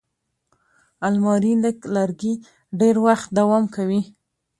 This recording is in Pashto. الماري له لرګي ډېر وخت دوام کوي